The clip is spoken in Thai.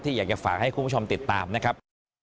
อยากจะฝากให้คุณผู้ชมติดตามนะครับ